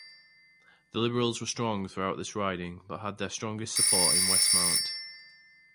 The Liberals were strong throughout this riding, but had their strongest support in Westmount.